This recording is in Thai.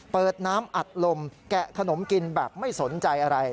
เปิดน้ำอัดลมแกะขนมกินแบบไม่สนใจอะไร